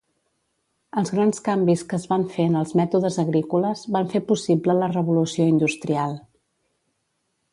Els grans canvis que es van fet en els mètodes agrícoles van fer possible la Revolució Industrial.